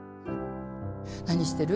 何してる？